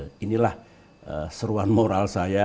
dan inilah seruan moral saya